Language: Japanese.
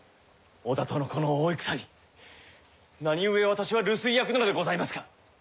織田とのこの大戦に何故私は留守居役なのでございますか。